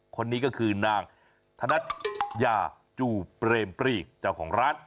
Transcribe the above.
คนนี้ก็คือนางธนัชยาจู่เปรมปรีเจ้าของร้าน